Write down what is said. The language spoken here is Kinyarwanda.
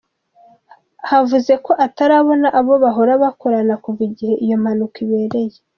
Yavuze ko atarabona abo bahora bakorana, kuva igihe iyo mpanuka ibereye.